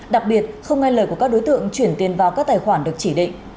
đặc biệt không nghe lời của các đối tượng chuyển tiền vào các tài khoản được chỉ định